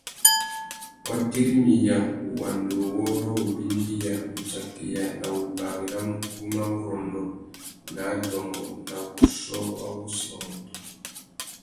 Wa tirimiya wuwanduwôrrô, wubindiya, wutsakeya na wubari râ mukú mà wurrôndô nà adôngô nà wuchiô wa wussi wa MUTU.